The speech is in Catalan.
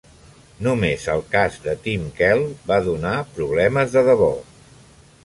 Només el cas de Tim Kell va donar problemes de debò.